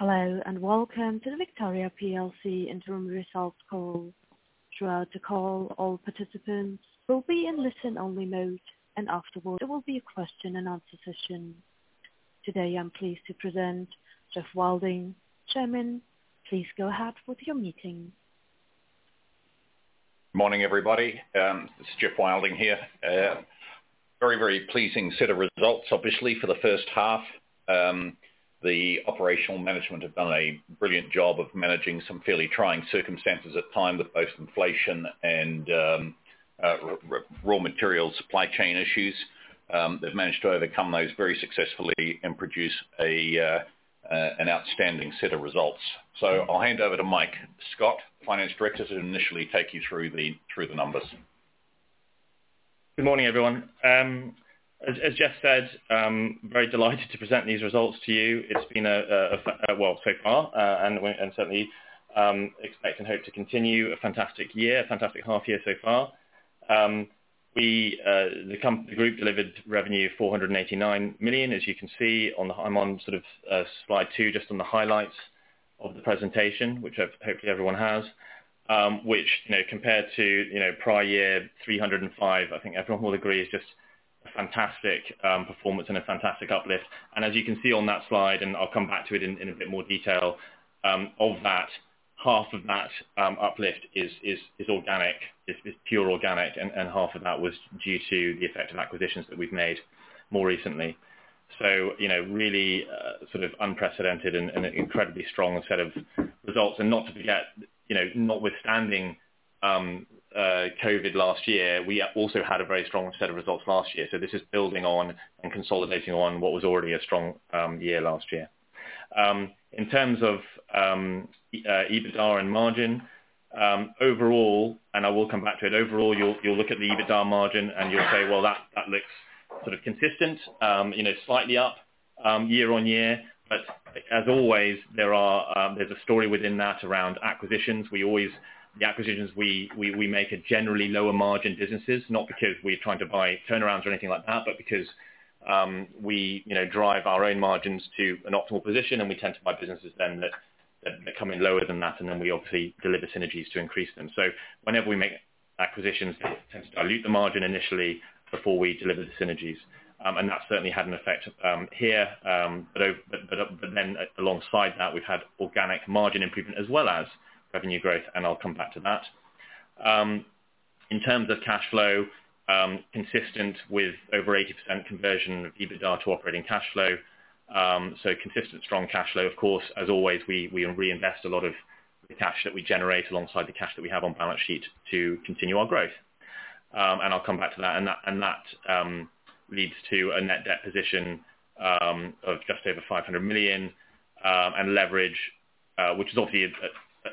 Hello, and welcome to the Victoria PLC interim results call. Throughout the call, all participants will be in listen-only mode, and afterward, there will be a question and answer session. Today, I'm pleased to present Geoff Wilding, Chairman. Please go ahead with your meeting. Morning, everybody. This is Geoff Wilding here. Very, very pleasing set of results, obviously, for the first half. The operational management have done a brilliant job of managing some fairly trying circumstances at times with both inflation and raw material supply chain issues. They've managed to overcome those very successfully and produce an outstanding set of results. I'll hand over to Mike Scott, Finance Director, to initially take you through the numbers. Good morning, everyone. As Geoff said, very delighted to present these results to you. It's been a while so far, and I certainly expect and hope to continue a fantastic year, a fantastic half year so far. The group delivered revenue 489 million, as you can see. I'm on slide two, just on the highlights of the presentation, which, hopefully, everyone has. Which, compared to prior year 305 million, I think everyone will agree, is just a fantastic performance and a fantastic uplift. As you can see on that slide, and I'll come back to it in a bit more detail, of that, half of that uplift is organic, is pure organic, and half of that was due to the effect of acquisitions that we've made more recently. Really unprecedented and an incredibly strong set of results. Not to forget, notwithstanding COVID last year, we also had a very strong set of results last year. This is building on and consolidating on what was already a strong year last year. In terms of EBITDA and margin, overall, and I will come back to it, overall, you'll look at the EBITDA margin and you'll say, "Well, that looks consistent. Slightly up year on year." As always, there's a story within that around acquisitions. The acquisitions we make are generally lower margin businesses. Not because we're trying to buy turnarounds or anything like that, but because we drive our own margins to an optimal position and we tend to buy businesses then that come in lower than that, and then we obviously deliver synergies to increase them. Whenever we make acquisitions, they tend to dilute the margin initially before we deliver the synergies. That certainly had an effect here. Alongside that, we've had organic margin improvement as well as revenue growth, and I'll come back to that. In terms of cash flow, consistent with over 80% conversion of EBITDA to operating cash flow. Consistent strong cash flow. Of course, as always, we reinvest a lot of the cash that we generate alongside the cash that we have on balance sheet to continue our growth. I'll come back to that. That leads to a net debt position of just over 500 million and leverage, which is obviously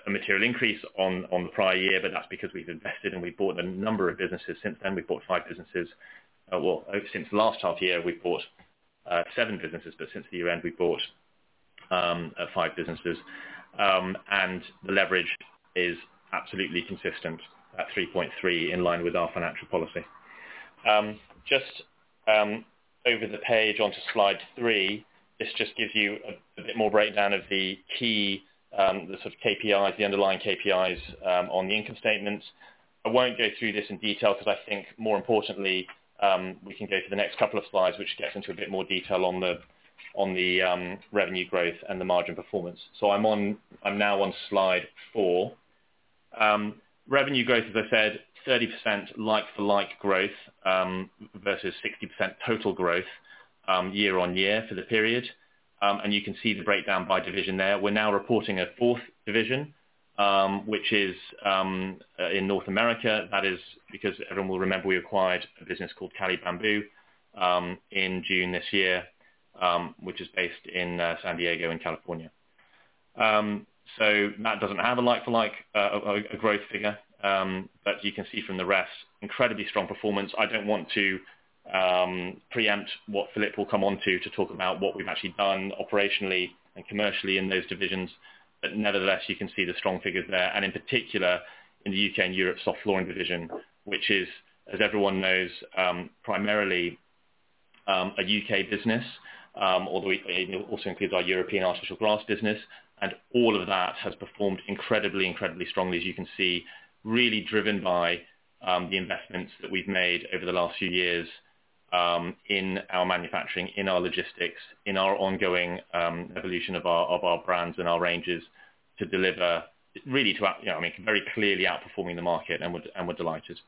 a material increase on the prior year, but that's because we've invested and we bought a number of businesses since then. We bought five businesses. Well, since last half year, we bought seven businesses, but since the year end, we bought five businesses. The leverage is absolutely consistent at 3.3, in line with our financial policy. Just over the page onto slide three. This just gives you a bit more breakdown of the key KPIs, the underlying KPIs on the income statements. I won't go through this in detail because I think more importantly, we can go to the next couple of slides, which gets into a bit more detail on the revenue growth and the margin performance. I'm now on slide four. Revenue growth, as I said, 30% like-for-like growth, versus 60% total growth year-over-year for the period. You can see the breakdown by division there. We're now reporting a fourth division, which is in North America. That is because everyone will remember we acquired a business called Cali Bamboo in June this year, which is based in San Diego in California. That doesn't have a like-for-like growth figure. You can see from the rest, incredibly strong performance. I don't want to preempt what Philippe will come onto to talk about what we've actually done operationally and commercially in those divisions. Nevertheless, you can see the strong figures there, and in particular in the UK and Europe soft flooring division, which is, as everyone knows, primarily a UK business. Although it also includes our European artificial grass business, and all of that has performed incredibly strongly, as you can see, really driven by the investments that we've made over the last few years in our manufacturing, in our logistics, in our ongoing evolution of our brands and our ranges to deliver very clearly outperforming the market, and we're delighted.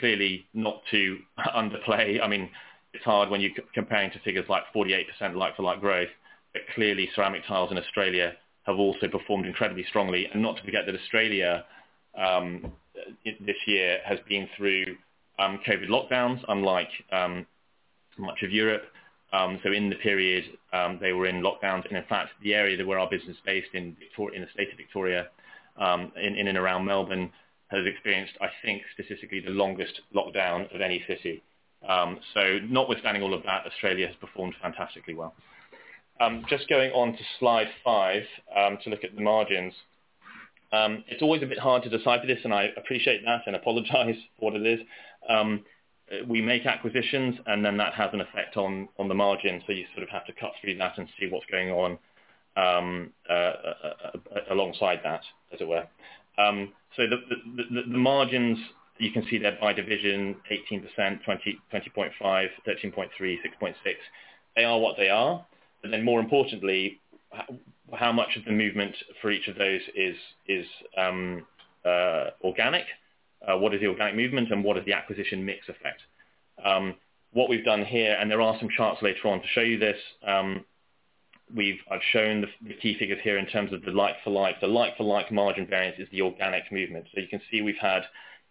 Clearly not to underplay, it's hard when you're comparing to figures like 48% like-for-like growth, but clearly ceramic tiles in Australia have also performed incredibly strongly. Not to forget that Australia this year has been through COVID lockdowns, unlike much of Europe. In the period they were in lockdowns, and in fact, the area where our business is based in the state of Victoria, in and around Melbourne, has experienced, I think, specifically the longest lockdown of any city. Notwithstanding all of that, Australia has performed fantastically well. Just going on to slide five to look at the margins. It's always a bit hard to decipher this, and I appreciate that and apologize for what it is. We make acquisitions, and then that has an effect on the margin, so you sort of have to cut through that and see what's going on alongside that, as it were. The margins, you can see there by division 18%, 20.5%, 13.3%, 6.6%. They are what they are. More importantly, how much of the movement for each of those is organic? What is the organic movement and what is the acquisition mix effect? What we've done here, and there are some charts later on to show you this, I've shown the key figures here in terms of the like-for-like. The like-for-like margin variance is the organic movement. You can see we've had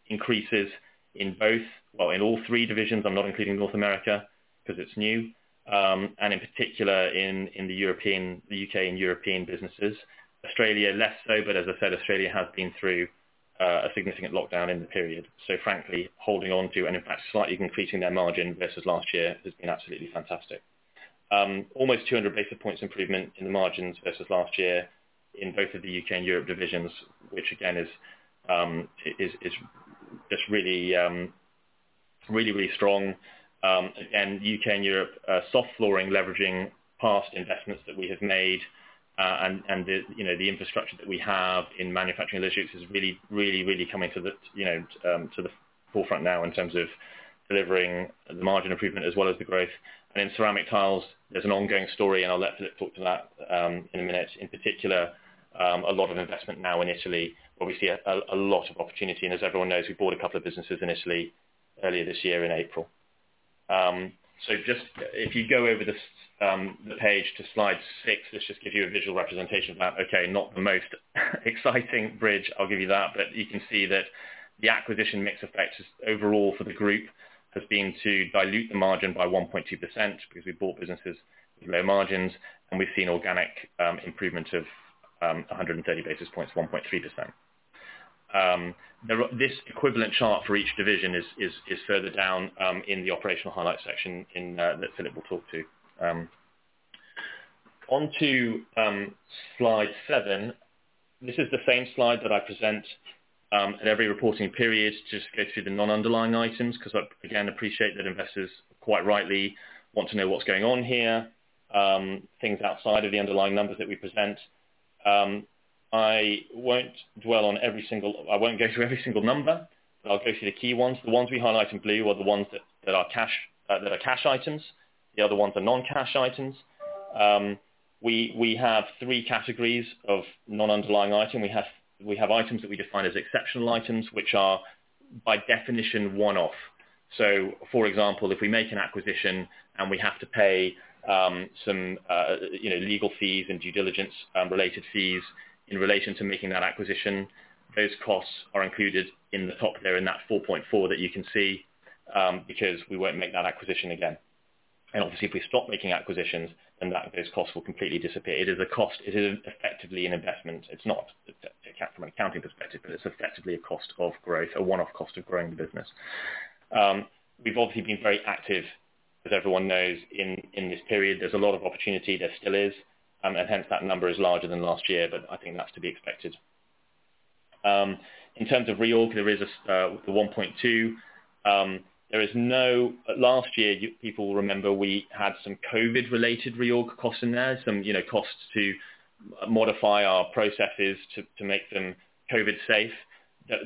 increases in both, well, in all three divisions. I'm not including North America because it's new. In particular in the U.K. and European businesses. Australia less so, but as I said, Australia has been through a significant lockdown in the period. Frankly, holding on to, and in fact slightly increasing their margin versus last year has been absolutely fantastic. Almost 200 basis points improvement in the margins versus last year in both of the U.K. and Europe divisions, which again is just really strong. Again, U.K. and Europe, soft flooring leveraging past investments that we have made. The infrastructure that we have in manufacturing logistics is really, really coming to the forefront now in terms of delivering the margin improvement as well as the growth. In ceramic tiles, there's an ongoing story, and I'll let Philippe talk to that in a minute. In particular, a lot of investment now in Italy, where we see a lot of opportunity. As everyone knows, we bought a couple of businesses in Italy earlier this year in April. If you go over the page to slide six, let's just give you a visual representation of that. Okay, not the most exciting bridge, I'll give you that. You can see that the acquisition mix effect just overall for the group has been to dilute the margin by 1.2%, because we bought businesses with low margins, and we've seen organic improvement of 130 basis points, 1.3%. This equivalent chart for each division is further down in the operational highlights section that Philip will talk to. On to slide seven. This is the same slide that I present at every reporting period to just go through the non-underlying items, because I, again, appreciate that investors quite rightly want to know what's going on here. Things outside of the underlying numbers that we present. I won't go through every single number, but I'll go through the key ones. The ones we highlight in blue are the ones that are cash items. The other ones are non-cash items. We have three categories of non-underlying item. We have items that we define as exceptional items, which are by definition one-off. For example, if we make an acquisition and we have to pay some legal fees and due diligence related fees in relation to making that acquisition, those costs are included in the top there in that 4.4 that you can see, because we won't make that acquisition again. Obviously, if we stop making acquisitions, then those costs will completely disappear. It is effectively an investment. It's not from an accounting perspective, but it's effectively a cost of growth, a one-off cost of growing the business. We've obviously been very active, as everyone knows, in this period. There's a lot of opportunity, there still is, and hence that number is larger than last year, but I think that's to be expected. In terms of reorg, there is the 1.2 million. Last year, you people will remember we had some COVID-related reorg costs in there, some costs to modify our processes to make them COVID safe.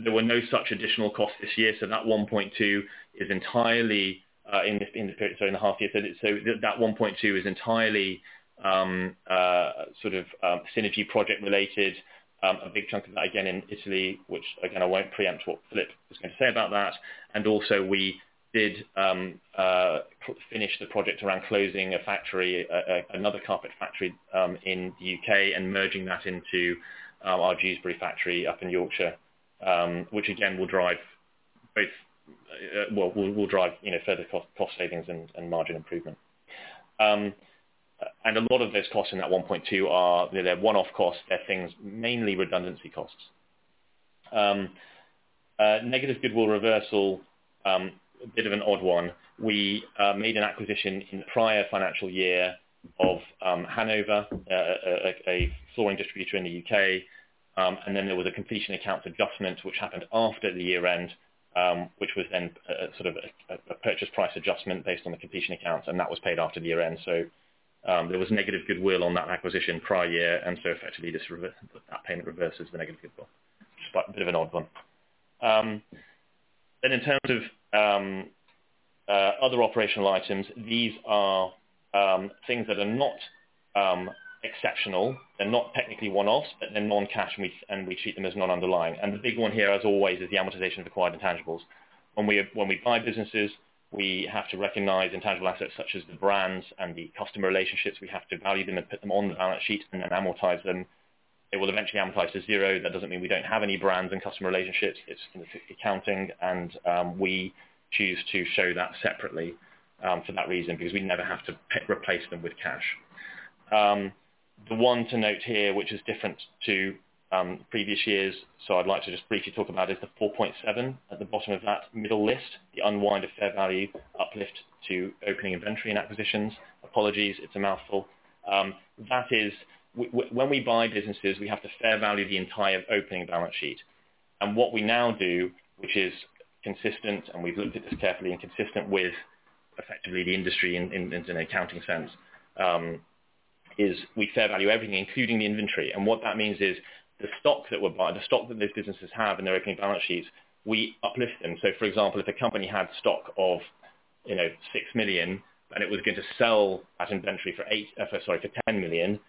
There were no such additional costs this year, so that 1.2 million is entirely in the half year. So that 1.2 million is entirely synergy project related. A big chunk of that again in Italy, which again, I won't preempt what Philippe was going to say about that. Also we did finish the project around closing another carpet factory in the U.K. and merging that into our Dewsbury factory up in Yorkshire, which again will drive further cost savings and margin improvement. A lot of those costs in that 1.2 are one-off costs. They're things, mainly redundancy costs. Negative goodwill reversal, a bit of an odd one. We made an acquisition in the prior financial year of Hanover, a flooring distributor in the U.K. There was a completion account adjustment which happened after the year-end, which was then a purchase price adjustment based on the completion accounts, and that was paid after the year-end. There was negative goodwill on that acquisition prior year, and so effectively that payment reverses the negative goodwill. A bit of an odd one. In terms of other operational items, these are things that are not exceptional. They're not technically one-off, but they're non-cash and we treat them as non-underlying. The big one here as always is the amortization of acquired intangibles. When we buy businesses, we have to recognize intangible assets such as the brands and the customer relationships. We have to value them and put them on the balance sheet and then amortize them. It will eventually amortize to zero. That doesn't mean we don't have any brands and customer relationships. It's accounting and we choose to show that separately for that reason, because we never have to replace them with cash. The one to note here, which is different to previous years, I'd like to just briefly talk about is the 4.7 at the bottom of that middle list, the unwind of fair value uplift to opening inventory and acquisitions. Apologies, it's a mouthful. When we buy businesses, we have to fair value the entire opening balance sheet. What we now do, which is consistent, and we've looked at this carefully, and consistent with effectively the industry in an accounting sense, is we fair value everything, including the inventory. What that means is the stock that we're buying, the stock that those businesses have in their opening balance sheets, we uplift them. For example, if a company had stock of 6 million and it was going to sell that inventory for 10 million,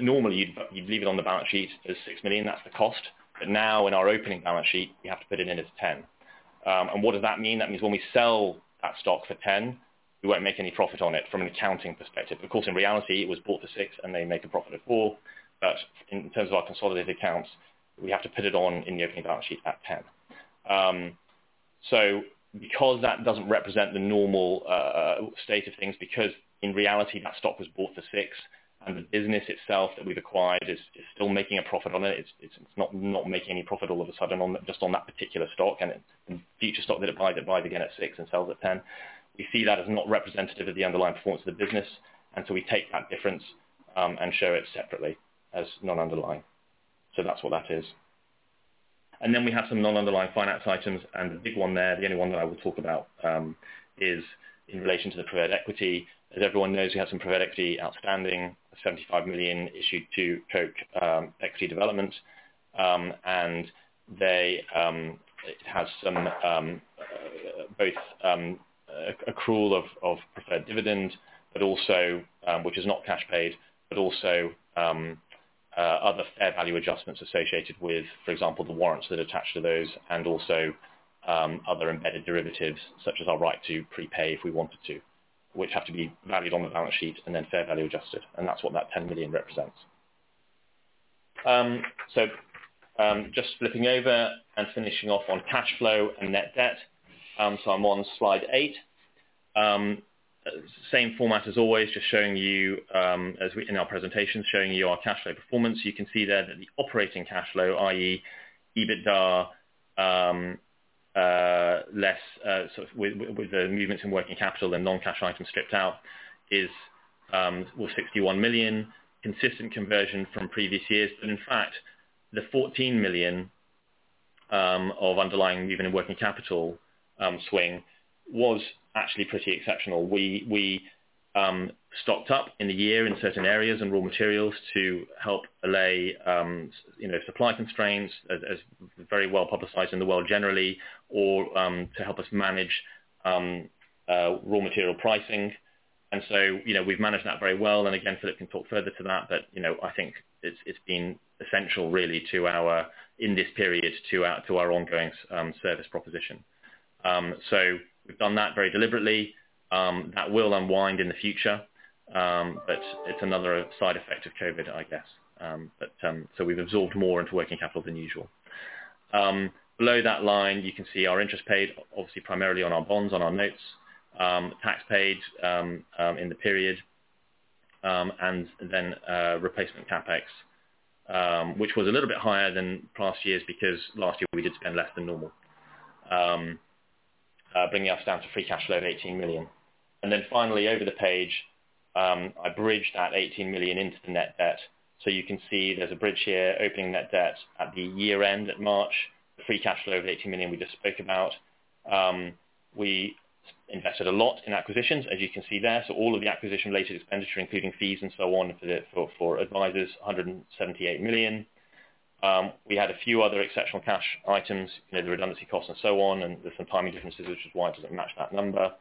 normally you'd leave it on the balance sheet as 6 million, that's the cost. Now in our opening balance sheet, we have to put it in as 10 million. What does that mean? That means when we sell that stock for 10 million, we won't make any profit on it from an accounting perspective. Of course, in reality, it was bought for 6 million and they make a profit of 4 million. In terms of our consolidated accounts, we have to put it on in the opening balance sheet at 10. Because that doesn't represent the normal state of things, because in reality, that stock was bought for 6 and the business itself that we've acquired is still making a profit on it. It's not making any profit all of a sudden just on that particular stock, and future stock that it buys, it buys again at 6 and sells at 10. We see that as not representative of the underlying performance of the business. We take that difference and show it separately as non-underlying. That's what that is. Then we have some non-underlying finance items, and the big one there, the only one that I will talk about, is in relation to the preferred equity. As everyone knows, we have some preferred equity outstanding, 75 million issued to Koch Equity Development. It has some both accrual of preferred dividend, which is not cash paid, but also other fair value adjustments associated with, for example, the warrants that attach to those and also other embedded derivatives, such as our right to prepay if we wanted to, which have to be valued on the balance sheet and then fair value adjusted. That's what that 10 million represents. Just flipping over and finishing off on cash flow and net debt. I'm on slide 8. Same format as always, just showing you in our presentation, showing you our cash flow performance. You can see there that the operating cash flow, i.e., EBITDA with the movements in working capital and non-cash items stripped out is, well, 61 million, consistent conversion from previous years. In fact, the 14 million of underlying movement working capital swing was actually pretty exceptional. We stocked up in the year in certain areas and raw materials to help allay supply constraints as very well publicized in the world generally, or to help us manage raw material pricing. We've managed that very well. Again, Philippe can talk further to that, but I think it's been essential, really, in this period to our ongoing service proposition. We've done that very deliberately. That will unwind in the future, but it's another side effect of COVID, I guess. We've absorbed more into working capital than usual. Below that line, you can see our interest paid, obviously primarily on our bonds, on our notes. Tax paid in the period, and then replacement CapEx, which was a little bit higher than past years because last year we did spend less than normal, bringing us down to free cash flow of 18 million. Then finally over the page, I bridged that 18 million into the net debt. You can see there's a bridge here, opening net debt at the year end at March. The free cash flow of 18 million we just spoke about. We invested a lot in acquisitions, as you can see there. All of the acquisition-related expenditure, including fees and so on for advisors, 178 million. We had a few other exceptional cash items, the redundancy costs and so on, and there's some timing differences, which is why it doesn't match that number.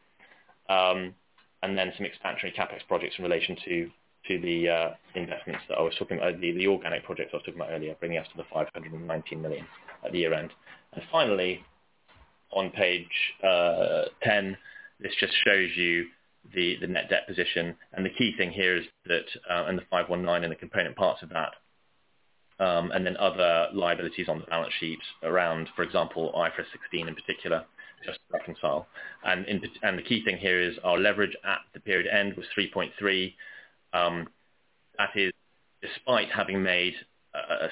Then some expansionary CapEx projects in relation to the investments that I was talking about, the organic projects I was talking about earlier, bringing us to 519 million at the year-end. Finally, on page 10, this just shows you the net debt position. The key thing here is that, and the 519 and the component parts of that, and then other liabilities on the balance sheet around, for example, IFRS 16 in particular, just to reconcile. The key thing here is our leverage at the period end was 3.3. That is despite having made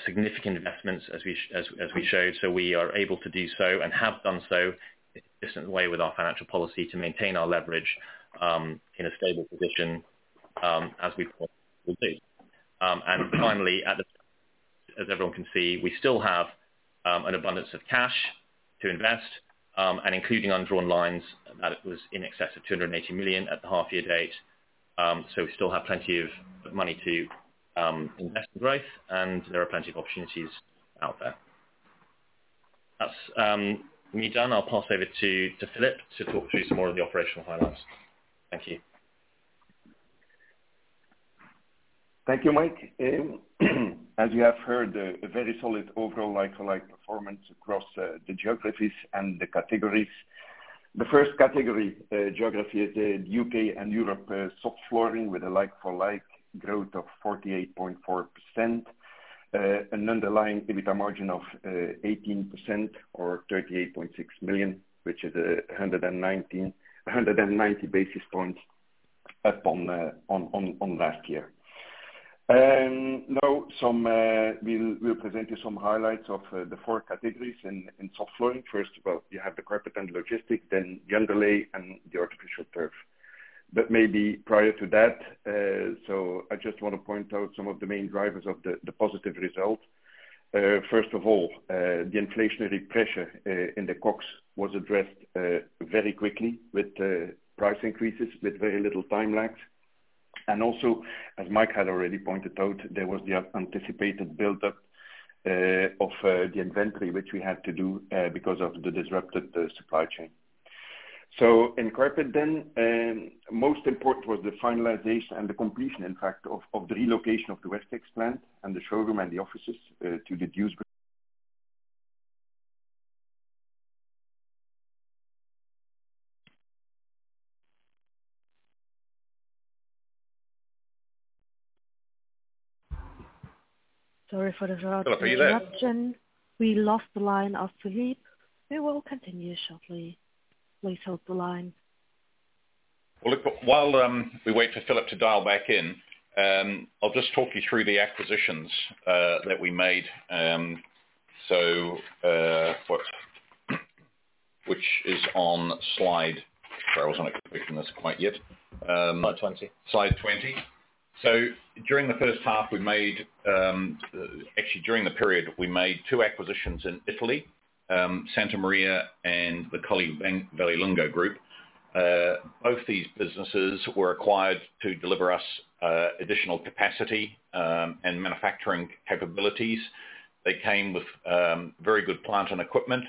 significant investments as we showed. We are able to do so and have done so in a consistent way with our financial policy to maintain our leverage in a stable position as we thought we'd do. Finally, as everyone can see, we still have an abundance of cash to invest, and including undrawn lines, that was in excess of 280 million at the half year date. We still have plenty of money to invest in growth, and there are plenty of opportunities out there. That's me done. I'll pass over to Philippe to talk through some more of the operational highlights. Thank you. Thank you, Mike. As you have heard, a very solid overall like-for-like performance across the geographies and the categories. The first category geography is U.K. and Europe soft flooring with a like-for-like growth of 48.4%, an underlying EBITA margin of 18% or 38.6 million, which is 190 basis points up on last year. Now we'll present you some highlights of the four categories in soft flooring. First of all, you have the carpet and logistics, then the underlay and the artificial turf. But maybe prior to that, I just want to point out some of the main drivers of the positive result. First of all, the inflationary pressure in the COGS was addressed very quickly with price increases with very little time lapse. As Mike had already pointed out, there was the anticipated buildup of the inventory, which we had to do because of the disrupted supply chain. In carpet then, most important was the finalization and the completion, in fact, of the relocation of the Westex plant and the showroom and the offices, to reduce- Sorry for the- Philippe, are you there? -interruption. We lost the line of Philippe. We will continue shortly. Please hold the line. Well, look, while we wait for Philippe to dial back in, I'll just talk you through the acquisitions that we made. Sorry, I was on a different one, not quite yet. Slide 20. Slide 20. Actually, during the period, we made two acquisitions in Italy, Santa Maria and the Colli and Vallelunga group. Both these businesses were acquired to deliver us additional capacity and manufacturing capabilities. They came with very good plant and equipment,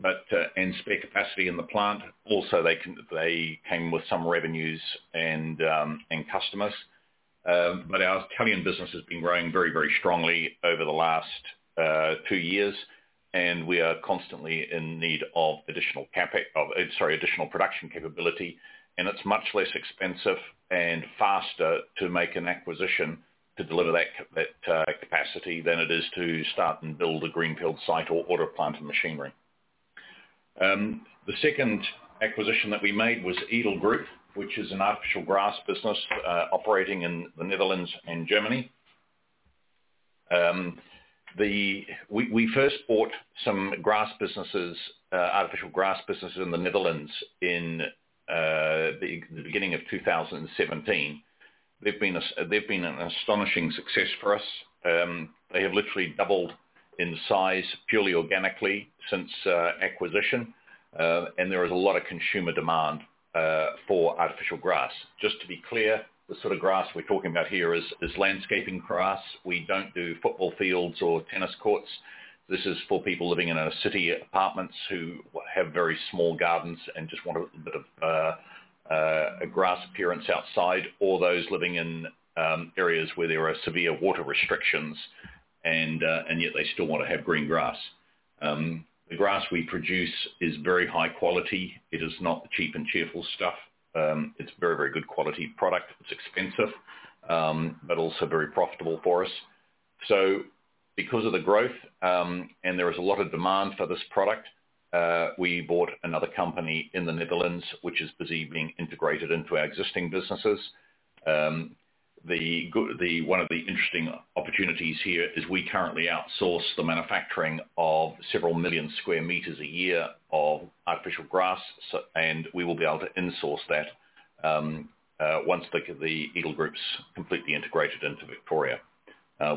but with spare capacity in the plant. Also, they came with some revenues and customers. Our Italian business has been growing very, very strongly over the last two years, and we are constantly in need of additional production capability, and it's much less expensive and faster to make an acquisition to deliver that capacity than it is to start and build a greenfield site or order a plant and machinery. The second acquisition that we made was Edel Group, which is an artificial grass business operating in the Netherlands and Germany. We first bought some artificial grass businesses in the Netherlands in the beginning of 2017. They've been an astonishing success for us. They have literally doubled in size, purely organically since acquisition. There is a lot of consumer demand for artificial grass. Just to be clear, the sort of grass we're talking about here is landscaping grass. We don't do football fields or tennis courts. This is for people living in city apartments who have very small gardens and just want a grass appearance outside, or those living in areas where there are severe water restrictions and yet they still want to have green grass. The grass we produce is very high quality. It is not the cheap and cheerful stuff. It's a very, very good quality product. It's expensive but also very profitable for us. Because of the growth, and there is a lot of demand for this product, we bought another company in the Netherlands, which is busy being integrated into our existing businesses. One of the interesting opportunities here is we currently outsource the manufacturing of several million sq m a year of artificial grass, and we will be able to insource that once the Edel Group's completely integrated into Victoria,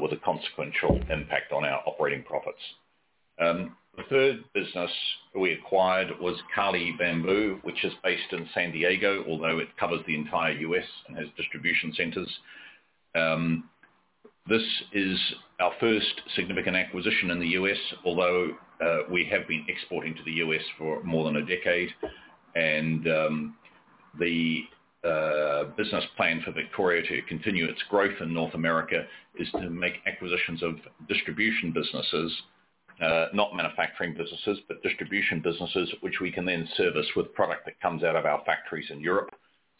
with a consequential impact on our operating profits. The third business we acquired was Cali Bamboo, which is based in San Diego, although it covers the entire U.S. and has distribution centers. This is our first significant acquisition in the U.S. although we have been exporting to the U.S. for more than a decade. The business plan for Victoria to continue its growth in North America is to make acquisitions of distribution businesses. Not manufacturing businesses, but distribution businesses, which we can then service with product that comes out of our factories in Europe.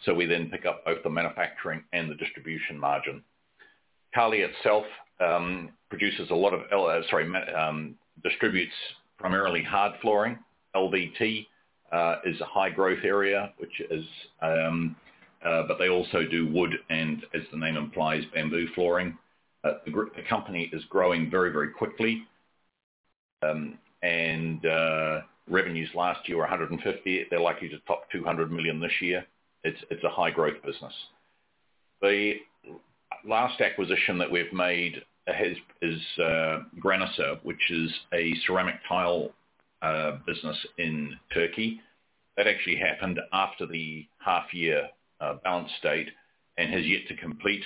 So we then pick up both the manufacturing and the distribution margin. Cali itself distributes primarily hard flooring. LVT is a high growth area, but they also do wood, and as the name implies, bamboo flooring. The company is growing very, very quickly. Revenues last year were $150 million. They're likely to top $200 million this year. It's a high growth business. The last acquisition that we've made is Graniser, which is a ceramic tile business in Turkey. That actually happened after the half year balance date and has yet to complete.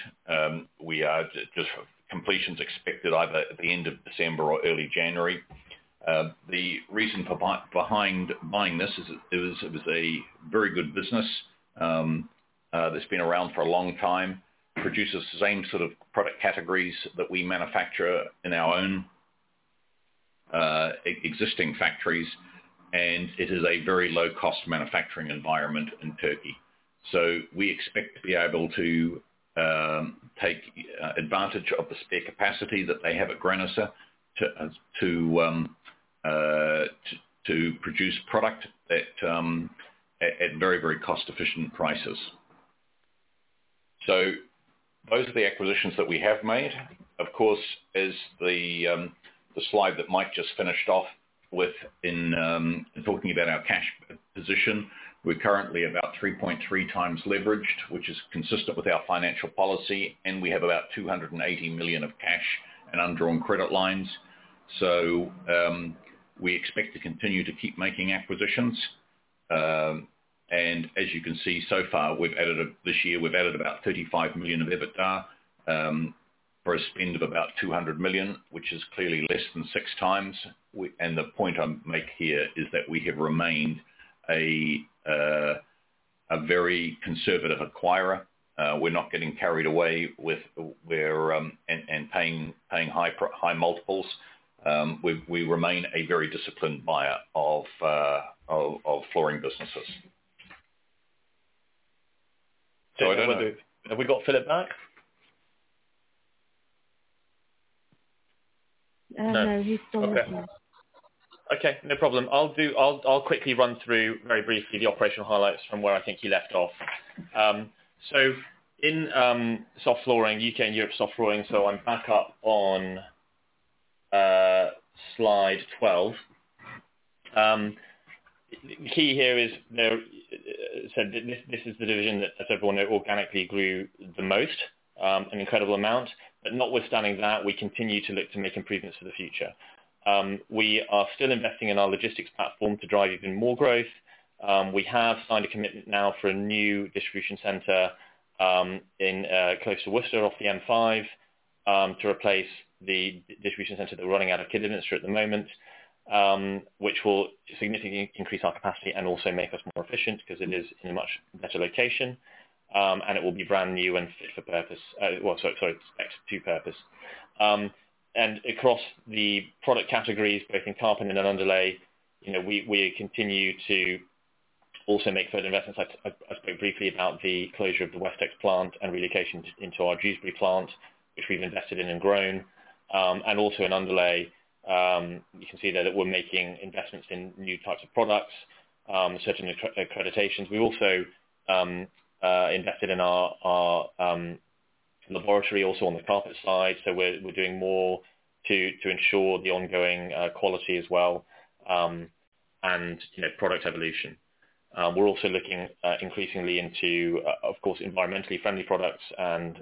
Completion's expected either at the end of December or early January. The reason behind buying this is it was a very good business that's been around for a long time. Produces the same sort of product categories that we manufacture in our own existing factories, and it is a very low-cost manufacturing environment in Turkey. We expect to be able to take advantage of the spare capacity that they have at Graniser to produce product at very cost-efficient prices. Those are the acquisitions that we have made. Of course, as the slide that Mike just finished off with in talking about our cash position, we're currently about 3.3x leveraged, which is consistent with our financial policy, and we have about 280 million of cash and undrawn credit lines. We expect to continue to keep making acquisitions. As you can see, so far, we've added this year about 35 million of EBITDA for a spend of about 200 million, which is clearly less than 6x. The point I make here is that we have remained a very conservative acquirer. We're not getting carried away and paying high multiples. We remain a very disciplined buyer of flooring businesses. Have we got Philippe back? I don't know. He's still with me. Okay. No problem. I'll quickly run through very briefly the operational highlights from where I think you left off. In Soft Flooring, UK and Europe Soft Flooring, I'm back up on slide 12. Key here is, this is the division that, as everyone know, organically grew the most, an incredible amount. Notwithstanding that, we continue to look to make improvements for the future. We are still investing in our logistics platform to drive even more growth. We have signed a commitment now for a new distribution center close to Worcester, off the M5, to replace the distribution center that we're running out of Kidderminster at the moment, which will significantly increase our capacity and also make us more efficient because it is in a much better location. It will be brand new and fit for purpose, well, sorry, fit for purpose. Across the product categories, both in carpet and in underlay, we continue to also make further investments. I spoke briefly about the closure of the Westex plant and relocation into our Dewsbury plant, which we've invested in and grown. In underlay, you can see there that we're making investments in new types of products, certain accreditations. We also invested in our laboratory also on the carpet side. We're doing more to ensure the ongoing quality as well and product evolution. We're also looking increasingly into, of course, environmentally friendly products and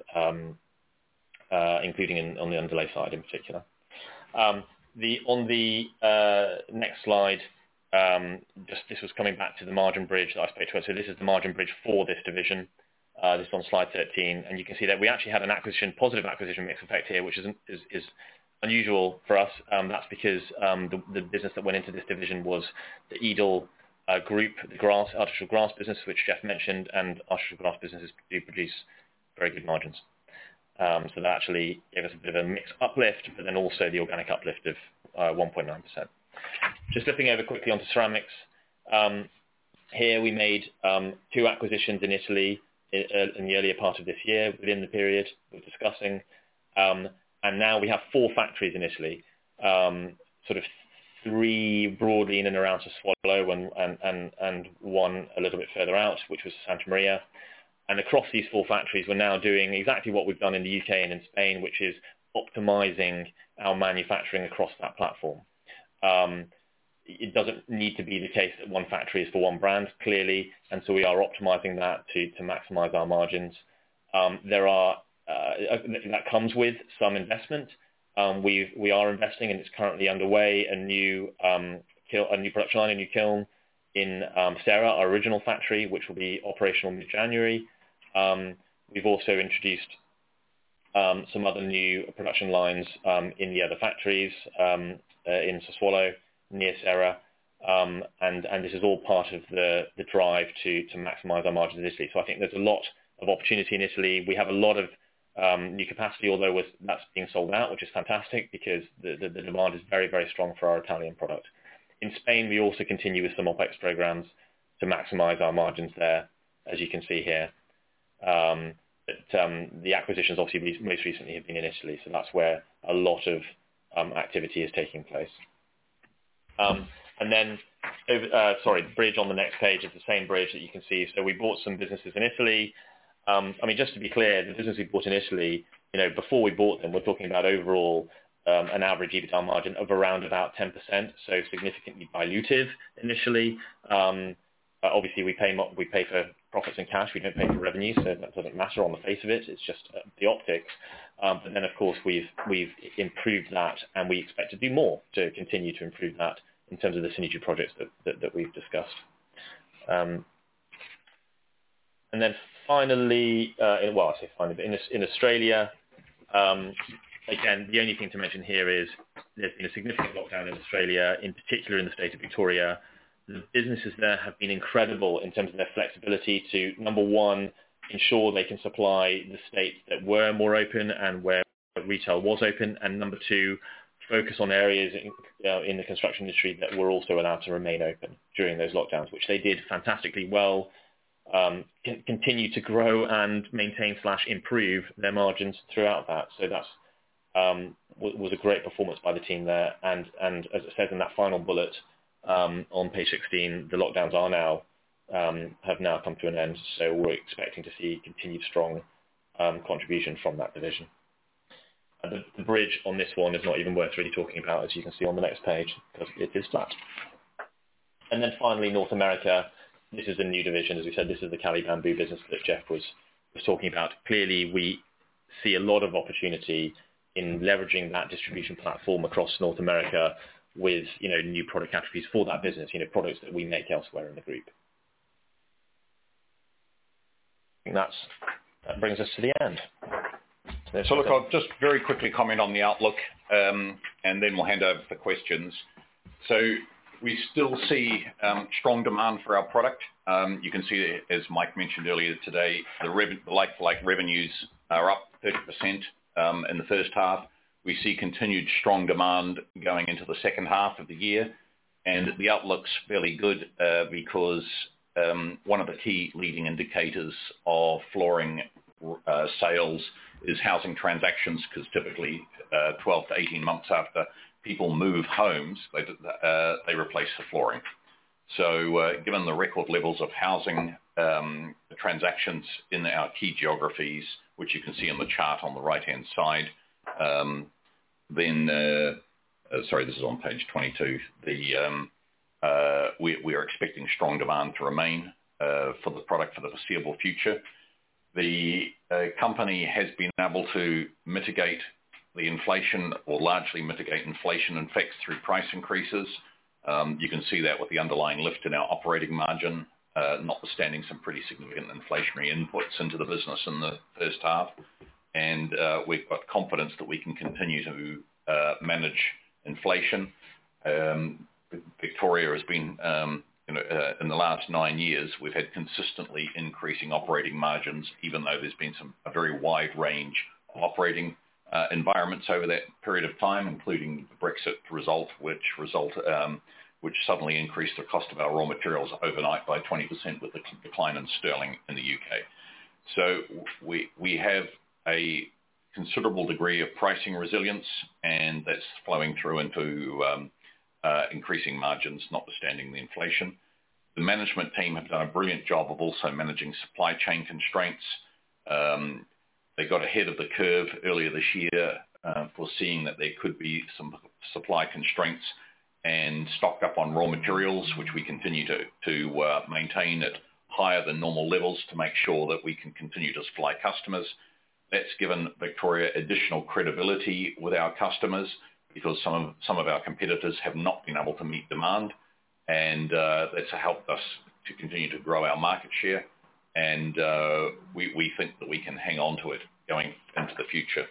including on the underlay side in particular. On the next slide, this was coming back to the margin bridge that I spoke to. This is the margin bridge for this division. This is on slide 13. You can see that we actually had a positive acquisition mix effect here, which is unusual for us. That's because the business that went into this division was the Edel Group, the artificial grass business, which Geoff mentioned, and artificial grass businesses do produce very good margins. That actually gave us a bit of a mix uplift, but then also the organic uplift of 1.9%. Just dipping over quickly onto ceramics. Here we made two acquisitions in Italy in the earlier part of this year, within the period we're discussing. Now we have four factories in Italy, sort of three broadly in and around Sassuolo, and one a little bit further out, which was Santa Maria. Across these four factories, we're now doing exactly what we've done in the U.K. and in Spain, which is optimizing our manufacturing across that platform. It doesn't need to be the case that one factory is for one brand, clearly, and so we are optimizing that to maximize our margins. That comes with some investment. We are investing, and it's currently underway, a new production line, a new kiln in Serra, our original factory, which will be operational mid-January. We've also introduced some other new production lines in the other factories in Sassuolo, near Serra, and this is all part of the drive to maximize our margin in Italy. I think there's a lot of opportunity in Italy. We have a lot of new capacity, although that's being sold out, which is fantastic because the demand is very strong for our Italian product. In Spain, we also continue with some OpEx programs to maximize our margins there, as you can see here. The acquisitions obviously most recently have been in Italy, so that's where a lot of activity is taking place. Sorry, bridge on the next page is the same bridge that you can see. We bought some businesses in Italy. Just to be clear, the business we bought in Italy, before we bought them, we're talking about overall an average EBITDA margin of around about 10%, so significantly dilutive initially. Obviously we pay for profits in cash, we don't pay for revenue, so that doesn't matter on the face of it's just the optics. Of course, we've improved that, and we expect to do more to continue to improve that in terms of the synergy projects that we've discussed. Then finally, well, I say finally, but in Australia, again, the only thing to mention here is there's been a significant lockdown in Australia, in particular in the state of Victoria. The businesses there have been incredible in terms of their flexibility to, number one, ensure they can supply the states that were more open and where retail was open, and number two, focus on areas in the construction industry that were also allowed to remain open during those lockdowns, which they did fantastically well, continue to grow and maintain or improve their margins throughout that. That was a great performance by the team there. As it said in that final bullet on page 16, the lockdowns have now come to an end, so we're expecting to see continued strong contribution from that division. The bridge on this one is not even worth really talking about, as you can see on the next page, because it is flat. Then finally, North America. This is the new division. As we said, this is the Cali Bamboo business that Geoff was talking about. Clearly, we see a lot of opportunity in leveraging that distribution platform across North America with new product categories for that business, products that we make elsewhere in the group. That brings us to the end. Look, I'll just very quickly comment on the outlook, and then we'll hand over for questions. We still see strong demand for our product. You can see, as Mike mentioned earlier today, the like-for-like revenues are up 30% in the first half. We see continued strong demand going into the second half of the year, and the outlook's fairly good because one of the key leading indicators of flooring sales is housing transactions, because typically, 12 to 18 months after people move homes, they replace the flooring. Given the record levels of housing transactions in our key geographies, which you can see on the chart on the right-hand side, then. Sorry, this is on page 22. We are expecting strong demand to remain for the product for the foreseeable future. The company has been able to mitigate the inflation or largely mitigate inflation effects through price increases. You can see that with the underlying lift in our operating margin, notwithstanding some pretty significant inflationary inputs into the business in the first half. We've got confidence that we can continue to manage inflation. Victoria has been, in the last nine years, we've had consistently increasing operating margins, even though there's been a very wide range of operating environments over that period of time, including the Brexit result, which suddenly increased the cost of our raw materials overnight by 20% with the decline in sterling in the U.K. We have a considerable degree of pricing resilience, and that's flowing through into increasing margins, notwithstanding the inflation. The management team have done a brilliant job of also managing supply chain constraints. They got ahead of the curve earlier this year, foreseeing that there could be some supply constraints, and stocked up on raw materials, which we continue to maintain at higher than normal levels to make sure that we can continue to supply customers. That's given Victoria additional credibility with our customers because some of our competitors have not been able to meet demand, and that's helped us to continue to grow our market share, and we think that we can hang on to it going into the future.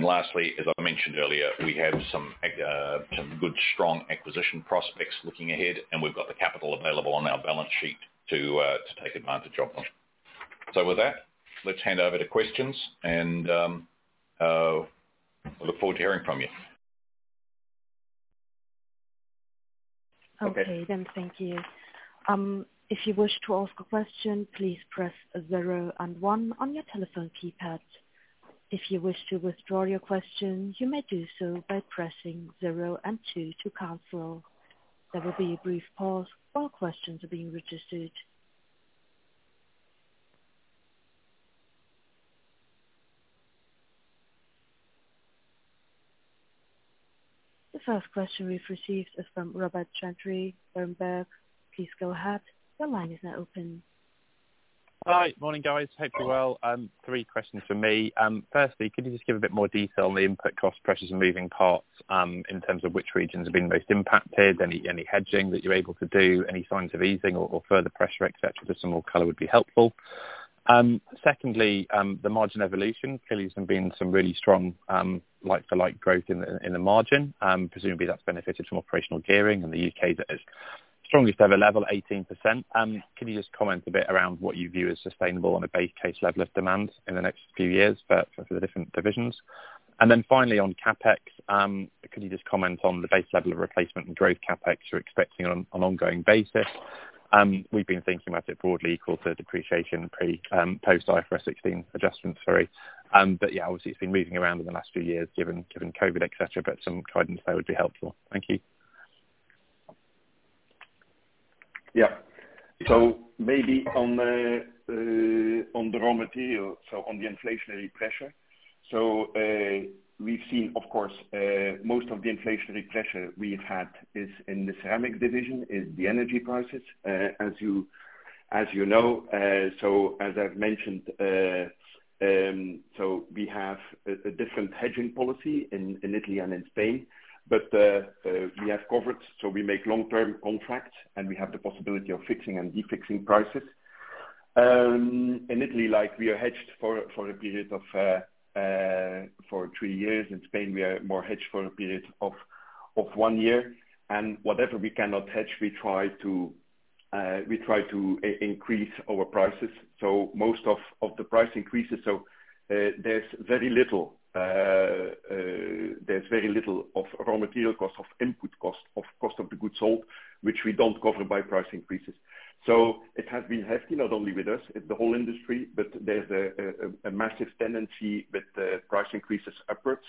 Lastly, as I mentioned earlier, we have some good, strong acquisition prospects looking ahead, and we've got the capital available on our balance sheet to take advantage of them. With that, let's hand over to questions, and I look forward to hearing from you. Okay, then. Thank you. If you wish to ask a question, please press zero and one on your telephone keypad. If you wish to withdraw your question, you may do so by pressing zero and two to cancel. There will be a brief pause while questions are being registered. The first question we've received is from Robert Chantry, Berenberg. Please go ahead. Your line is now open. Hi. Morning, guys. Hope you're well. Three questions from me. Firstly, could you just give a bit more detail on the input cost pressures in moving parts, in terms of which regions have been most impacted? Any hedging that you're able to do, any signs of easing or further pressure, et cetera? Just some more color would be helpful. Secondly, the margin evolution. Clearly there's been some really strong like-for-like growth in the margin. Presumably that's benefited from operational gearing in the U.K. that is strongest ever level, 18%. Can you just comment a bit around what you view as sustainable on a base case level of demand in the next few years for the different divisions? Finally on CapEx, could you just comment on the base level of replacement and growth CapEx you're expecting on an ongoing basis? We've been thinking about it broadly equal to depreciation post-IFRS 16 adjustment, sorry. Yeah, obviously it's been moving around in the last few years given COVID, et cetera. Some guidance there would be helpful. Thank you. Yeah. Maybe on the raw material, so on the inflationary pressure. We've seen, of course, most of the inflationary pressure we've had is in the ceramic division, is the energy prices, as you know. As I've mentioned, we have a different hedging policy in Italy and in Spain. We have covered, so we make long-term contracts, and we have the possibility of fixing and de-fixing prices. In Italy, we are hedged for a period of three years. In Spain, we are more hedged for a period of one year. Whatever we cannot hedge, we try to We try to increase our prices. Most of the price increases, there's very little of raw material cost, of input cost, of cost of goods sold, which we don't cover by price increases. It has been hefty, not only with us, the whole industry, but there's a massive tendency with the price increases upwards.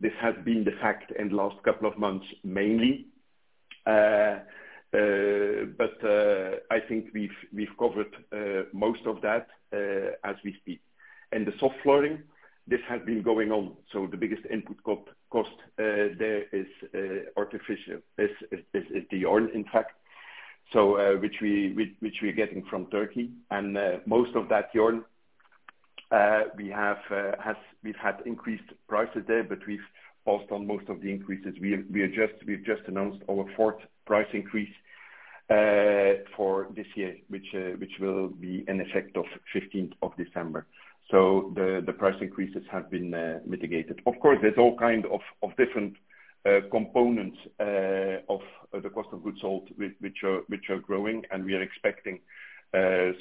This has been the fact in the last couple of months, mainly. I think we've covered most of that as we speak. In the soft flooring, this has been going on. The biggest input cost there is artificial. This is the yarn, in fact, which we're getting from Turkey, and most of that yarn, we've had increased prices there, but we've passed on most of the increases. We've just announced our fourth price increase for this year, which will be in effect from the fifteenth of December. The price increases have been mitigated. Of course, there's all kind of different components of the cost of goods sold, which are growing, and we are expecting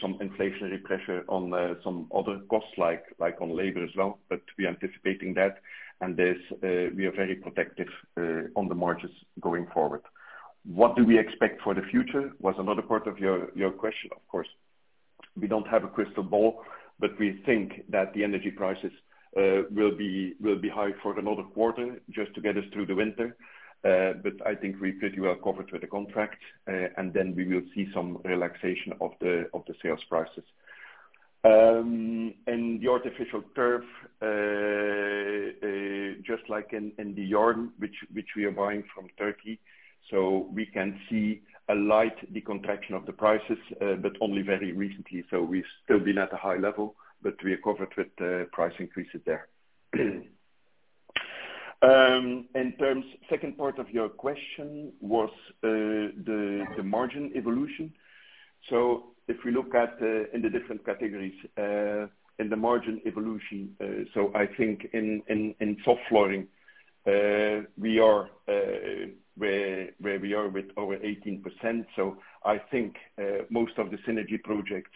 some inflationary pressure on some other costs, like on labor as well. We are anticipating that, and we are very protective on the margins going forward. What do we expect for the future was another part of your question. Of course, we don't have a crystal ball, but we think that the energy prices will be high for another quarter, just to get us through the winter. I think we're pretty well covered with the contract, and then we will see some relaxation of the sales prices. In the artificial turf, just like in the yarn, which we are buying from Turkey, so we can see a light deceleration of the prices, but only very recently. We've still been at a high level, but we are covered with price increases there. In terms, second part of your question was the margin evolution. If we look at in the different categories, in the margin evolution, I think in soft flooring, where we are with over 18%. I think most of the synergy projects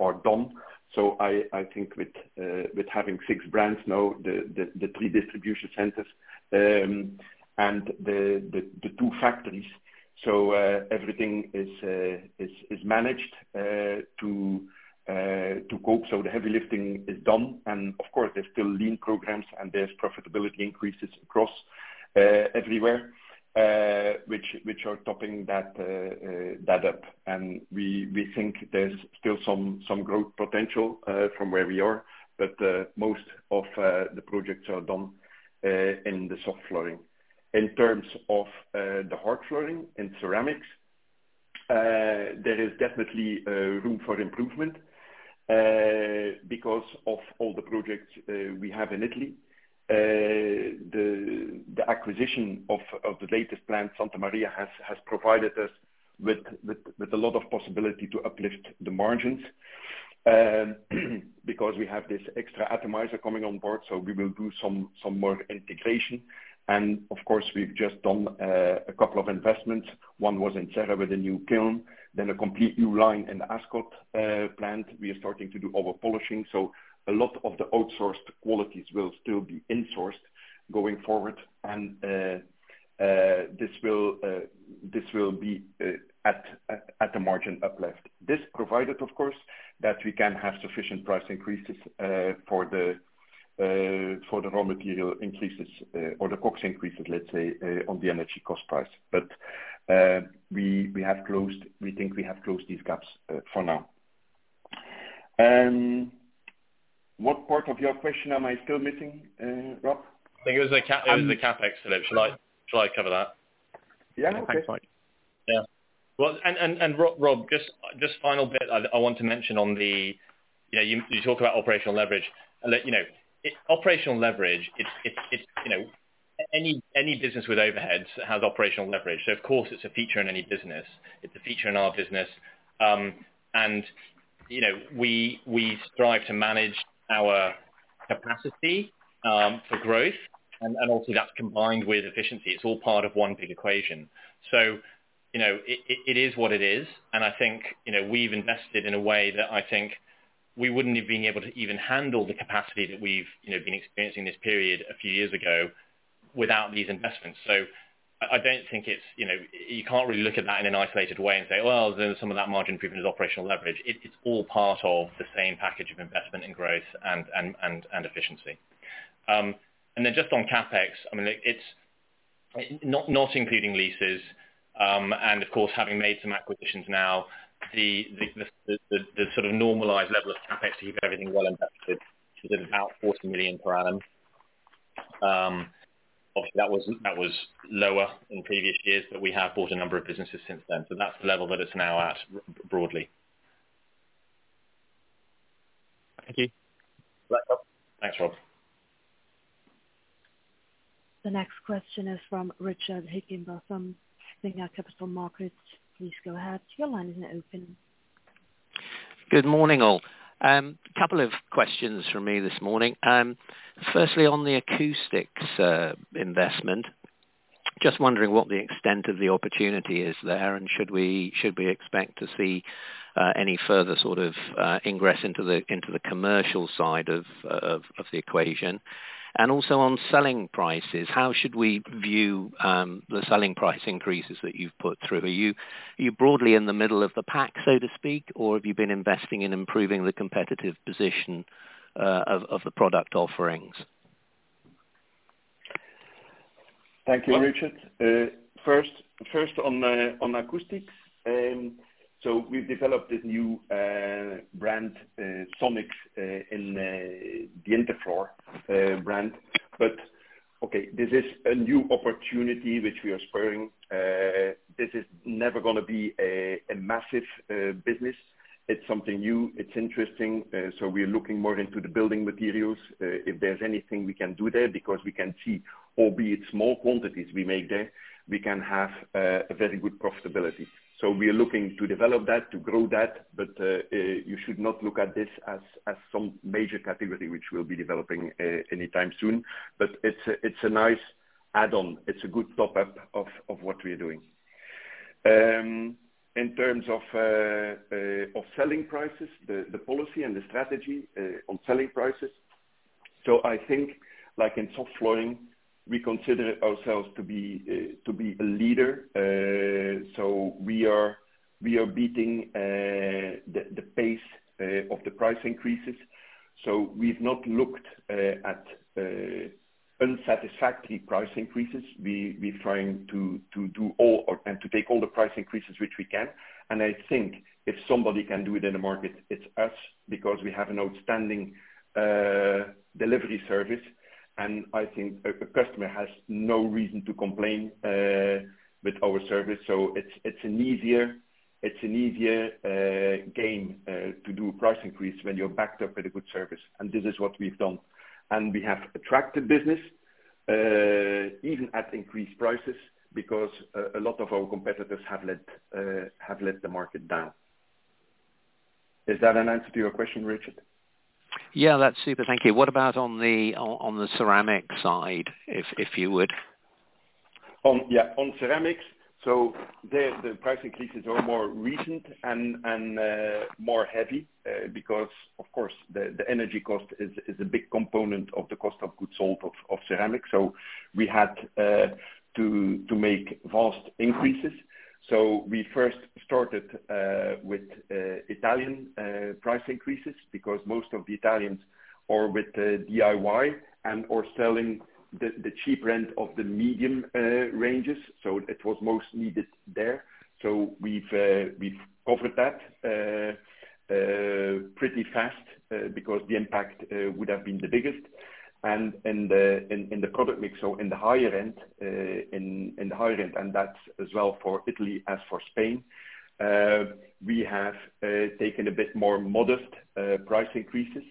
are done. I think with having six brands now, the three distribution centers and the two factories, everything is managed to cope. The heavy lifting is done. Of course, there's still lean programs and there's profitability increases across everywhere, which are topping that up. We think there's still some growth potential from where we are, but most of the projects are done in the soft flooring. In terms of the hard flooring and ceramics, there is definitely room for improvement because of all the projects we have in Italy. The acquisition of the latest plant, Santa Maria, has provided us with a lot of possibility to uplift the margins, because we have this extra atomizer coming on board. We will do some more integration. Of course, we've just done a couple of investments. One was in Serra with a new kiln, then a complete new line in Ascot plant. We are starting to do overpolishing, so a lot of the outsourced qualities will still be insourced going forward. This will be at the margin uplift. This provided, of course, that we can have sufficient price increases for the raw material increases or the COGS increases, let's say, on the energy cost price. We think we have closed these gaps for now. What part of your question am I still missing, Rob? I think it was the CapEx. Shall I cover that? Yeah, okay. Yeah. Rob, just final bit I want to mention. You talk about operational leverage. Operational leverage, any business with overheads has operational leverage. Of course, it's a feature in any business. It's a feature in our business. We strive to manage our capacity for growth. Also that's combined with efficiency. It's all part of one big equation. It is what it is. I think we've invested in a way that I think we wouldn't have been able to even handle the capacity that we've been experiencing this period a few years ago without these investments. I don't think you can't really look at that in an isolated way and say, "Well, some of that margin improvement is operational leverage." It's all part of the same package of investment in growth and efficiency. Just on CapEx, not including leases, and of course, having made some acquisitions now, the sort of normalized level of CapEx, to keep everything well invested, is about 40 million per annum. Obviously, that was lower in previous years, but we have bought a number of businesses since then. That's the level that it's now at, broadly. Thank you. Thanks, Rob. The next question is from Richard Higham, Berenberg Capital Markets. Please go ahead. Your line is open. Good morning, all. A couple of questions from me this morning. Firstly, on the acoustics investment, just wondering what the extent of the opportunity is there, and should we expect to see any further sort of ingress into the commercial side of the equation? Also on selling prices, how should we view the selling price increases that you've put through? Are you broadly in the middle of the pack, so to speak, or have you been investing in improving the competitive position of the product offerings? Thank you, Richard. First on acoustics. We've developed this new brand, Sonixx, in the Interfloor brand. Okay, this is a new opportunity which we are exploring. This is never going to be a massive business. It's something new, it's interesting, so we are looking more into the building materials, if there's anything we can do there, because we can see, albeit small quantities we make there, we can have a very good profitability. We are looking to develop that, to grow that, but you should not look at this as some major category which we'll be developing anytime soon. It's a nice add-on. It's a good top-up of what we are doing. In terms of selling prices, the policy and the strategy on selling prices. I think like in soft flooring, we consider ourselves to be a leader. We are beating the pace of the price increases. We've not looked at unsatisfactory price increases. We're trying to do all, and to take all the price increases which we can. I think if somebody can do it in the market, it's us because we have an outstanding delivery service. I think a customer has no reason to complain with our service. It's an easier game to do a price increase when you're backed up with a good service. This is what we've done. We have attracted business, even at increased prices, because a lot of our competitors have let the market down. Is that an answer to your question, Richard? Yeah, that's super. Thank you. What about on the ceramic side, if you would? Yeah. On ceramics, there the price increases are more recent and more heavy, because of course the energy cost is a big component of the cost of goods sold of ceramics. We had to make vast increases. We first started with Italian price increases because most of the Italians are with the DIY and/or selling the cheap brand of the medium ranges. We've covered that pretty fast because the impact would have been the biggest. In the product mix, so in the higher end, and that's as well for Italy, as for Spain, we have taken a bit more modest price increases.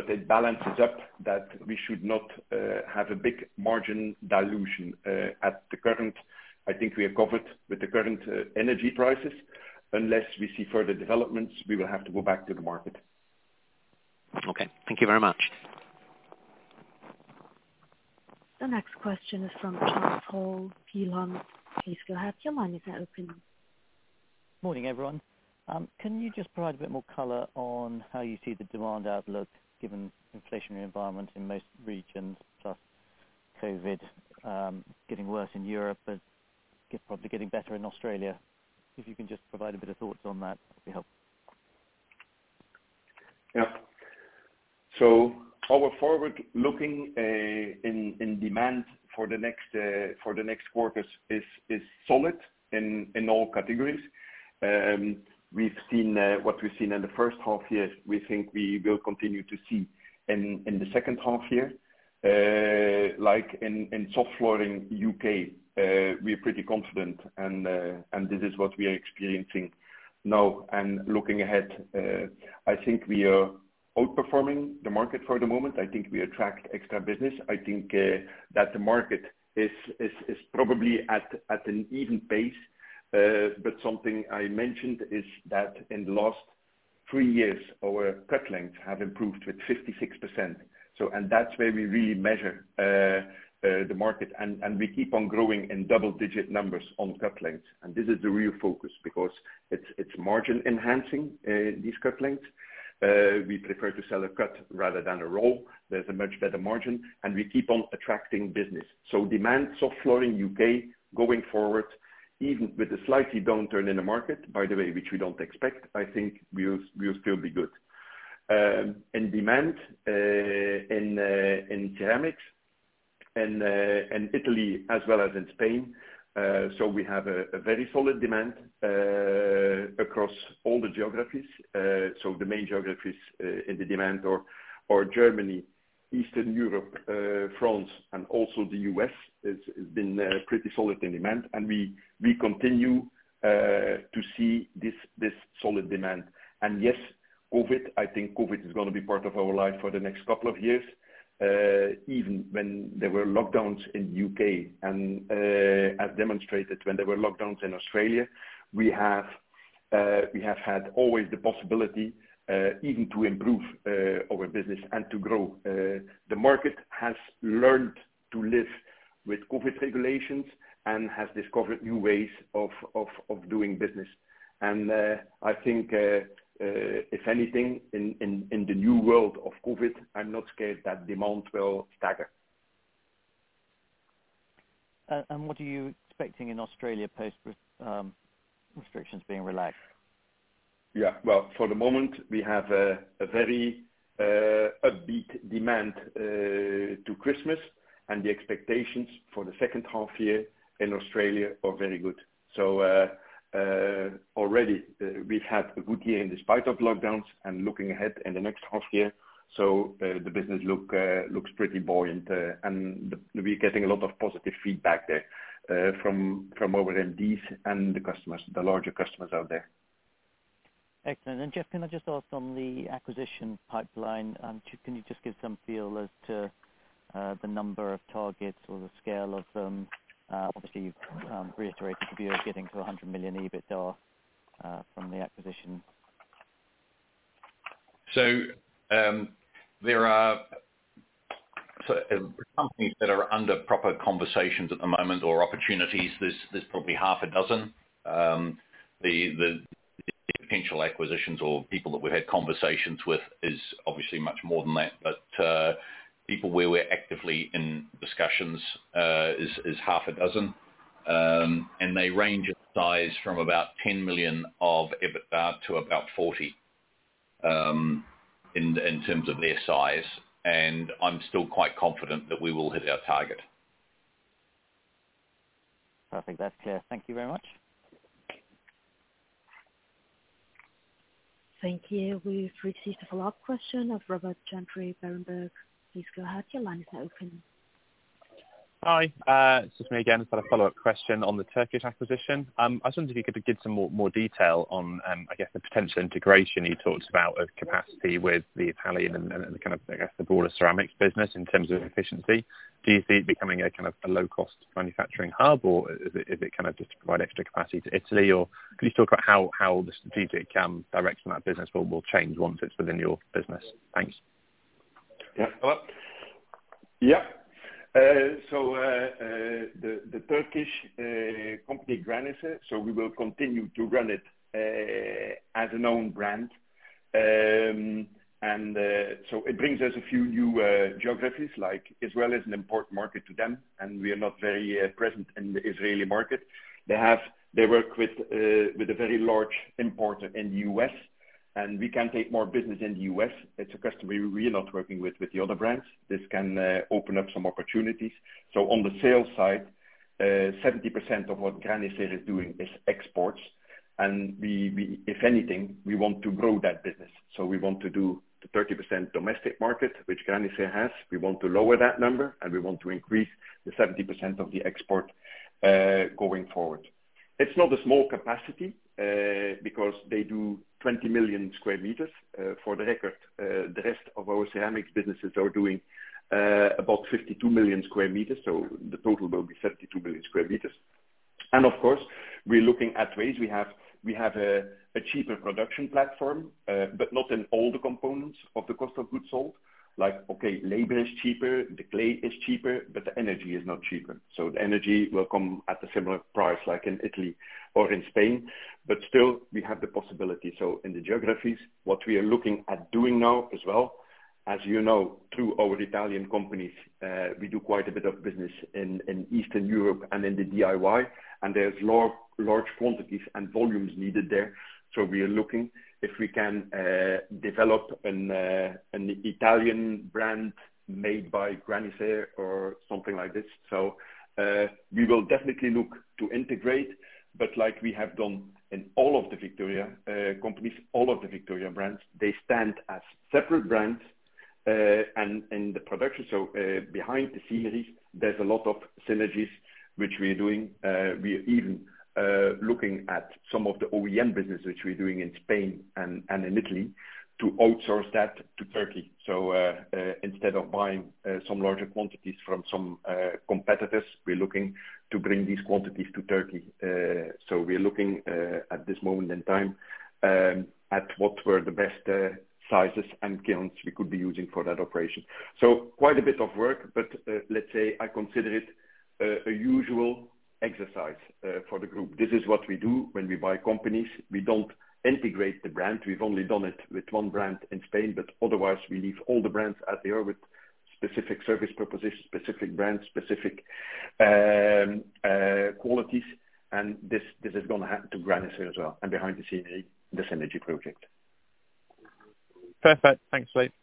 It balances up that we should not have a big margin dilution at the current, I think we are covered with the current energy prices. Unless we see further developments, we will have to go back to the market. Okay. Thank you very much. The next question is from Charles Hall, Peel Hunt. Please go ahead. Your line is now open. Morning, everyone. Can you just provide a bit more color on how you see the demand outlook given inflationary environment in most regions, plus COVID, getting worse in Europe but probably getting better in Australia? If you can just provide a bit of thoughts on that'd be helpful. Yeah. Our forward-looking in demand for the next quarters is solid in all categories. What we've seen in the first half year, we think we will continue to see in the second half year. Like in soft flooring U.K., we are pretty confident and this is what we are experiencing now and looking ahead. I think we are outperforming the market for the moment. I think we attract extra business. I think that the market is probably at an even pace. Something I mentioned is that in the last three years, our cut lengths have improved with 56%. That's where we really measure the market. We keep on growing in double-digit numbers on cut lengths. This is the real focus because it's margin enhancing, these cut lengths. We prefer to sell a cut rather than a roll. There's a much better margin. We keep on attracting business. Demand soft flooring U.K. going forward, even with a slight downturn in the market, by the way, which we don't expect. I think we'll still be good in demand in ceramics and Italy as well as in Spain, so we have a very solid demand across all the geographies. The main geographies in the demand are Germany, Eastern Europe, France, and also the U.S. has been pretty solid in demand. We continue to see this solid demand. Yes, COVID, I think COVID is going to be part of our life for the next couple of years. Even when there were lockdowns in the U.K. and as demonstrated when there were lockdowns in Australia, we have had always the possibility even to improve our business and to grow. The market has learned to live with COVID regulations and has discovered new ways of doing business. I think if anything, in the new world of COVID, I'm not scared that demand will stagger. What are you expecting in Australia post restrictions being relaxed? Yeah. Well, for the moment, we have a very upbeat demand to Christmas, and the expectations for the second half year in Australia are very good. Already we've had a good year in spite of lockdowns and looking ahead in the next half year, so the business looks pretty buoyant. We're getting a lot of positive feedback there, from our MDs and the customers, the larger customers out there. Excellent. Geoff, can I just ask on the acquisition pipeline, can you just give some feel as to the number of targets or the scale of them? Obviously, you've reiterated you're getting to 100 million EBITDA from the acquisition. There are companies that are under proper conversations at the moment or opportunities, there's probably half a dozen. The potential acquisitions or people that we've had conversations with is obviously much more than that. People where we're actively in discussions is half a dozen. They range in size from about 10 million of EBITDA to about 40 million, in terms of their size. I'm still quite confident that we will hit our target. Perfect. That's clear. Thank you very much. Thank you. We've received a follow-up question from Robert Chantry, Berenberg. Please go ahead. Your line is open. Hi. It's just me again. Just had a follow-up question on the Turkish acquisition. I was wondering if you could give some more detail on, I guess, the potential integration you talked about of capacity with the Italian and kind of, I guess, the broader ceramics business in terms of efficiency. Do you see it becoming a kind of a low-cost manufacturing hub, or is it kind of just to provide extra capacity to Italy, or can you talk about how the strategic direction of that business will change once it's within your business? Thanks. The Turkish company, Graniser, so we will continue to run it as an own brand. It brings us a few new geographies, like Israel is an important market to them, and we are not very present in the Israeli market. They work with a very large importer in the U.S., and we can take more business in the U.S. It's a customer we are not working with the other brands. This can open up some opportunities. On the sales side, 70% of what Graniser is doing is exports. If anything, we want to grow that business. We want to do the 30% domestic market, which Graniser has. We want to lower that number, and we want to increase the 70% of the export going forward. It's not a small capacity because they do 20 million sq m. For the record, the rest of our ceramics businesses are doing about 52 million sq m, so the total will be 32 million sq m. Of course, we're looking at ways we have a cheaper production platform, but not in all the components of the cost of goods sold. Like, okay, labor is cheaper, the clay is cheaper, but the energy is not cheaper. The energy will come at a similar price like in Italy or in Spain. Still, we have the possibility. In the geographies, what we are looking at doing now as well, as you know, through our Italian companies, we do quite a bit of business in Eastern Europe and in the DIY, and there's large quantities and volumes needed there. We are looking if we can develop an Italian brand made by Graniser or something like this. We will definitely look to integrate. Like we have done in all of the Victoria companies, all of the Victoria brands, they stand as separate brands, and the production. Behind the scenery, there's a lot of synergies which we are doing. We are even looking at some of the OEM business which we're doing in Spain and in Italy to outsource that to Turkey. Instead of buying some larger quantities from some competitors, we're looking to bring these quantities to Turkey. We are looking at this moment in time at what were the best sizes and kilns we could be using for that operation. Quite a bit of work, but let's say I consider it a usual exercise for the group. This is what we do when we buy companies. We don't integrate the brand. We've only done it with one brand in Spain. Otherwise, we leave all the brands out there with specific service propositions, specific brands, specific qualities. This is going to happen to Graniser as well. Behind the scenes, the synergy project. Perfect. Thanks, Philippe.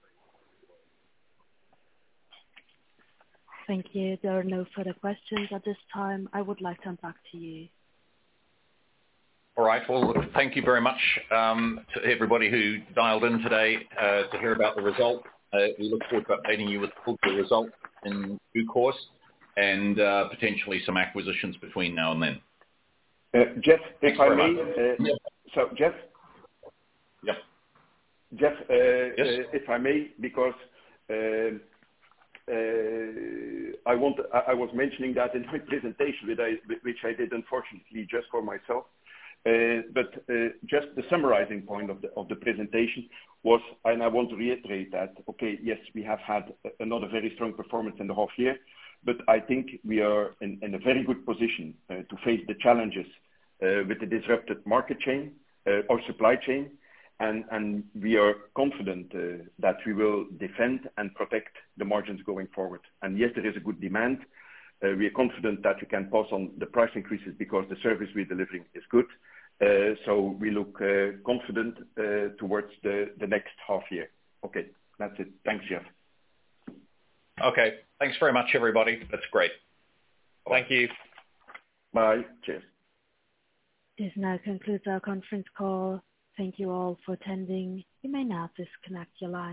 Thank you. There are no further questions at this time. I would like to hand back to you. All right. Well, look, thank you very much to everybody who dialed in today to hear about the result. We look forward to updating you with the full result in due course and potentially some acquisitions between now and then. Geoff, if I may. Yes. Geoff? Yes. Geoff, if I may, because I was mentioning that in my presentation, which I did unfortunately just for myself. Just the summarizing point of the presentation was, and I want to reiterate that, okay, yes, we have had another very strong performance in the half year, but I think we are in a very good position to face the challenges with the disrupted market chain or supply chain. We are confident that we will defend and protect the margins going forward. Yes, there is a good demand. We are confident that we can pass on the price increases because the service we're delivering is good. We look confident towards the next half year. Okay. That's it. Thanks, Geoff. Okay. Thanks very much, everybody. That's great. Thank you. Bye. Cheers. This now concludes our conference call. Thank you all for attending. You may now disconnect your lines.